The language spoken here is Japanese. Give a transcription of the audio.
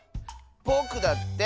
ぼくだって！